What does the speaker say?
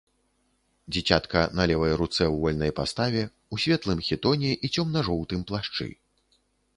Дзіцятка на левай руцэ ў вольнай паставе, у светлым хітоне і цёмна-жоўтым плашчы.